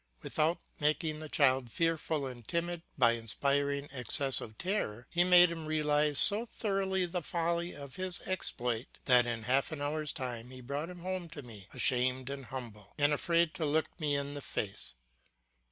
Without making the child fearful and timid by inspiring excessive terror, he made him realise so thoroughly the folly of his exploit that in half an hour's time he brought him home to me, ashamed and humble, and afraid to look me in the face.